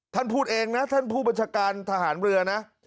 ท่านพูดเองนะท่านผู้บัญชาการทหารเรือนะ